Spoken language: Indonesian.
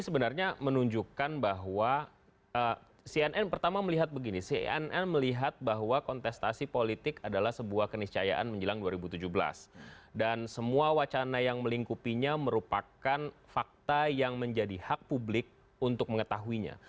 risma menjadi pembahasan kami dalam segmen editorial view berikut ini